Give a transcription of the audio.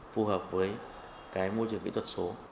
phù hợp với cái môi trường kỹ thuật số